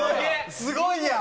すごいやん！